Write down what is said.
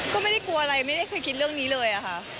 ก็ไม่ได้กลัวอะไรไม่ได้เคยคิดเรื่องนี้เลยค่ะ